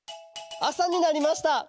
あさになりました。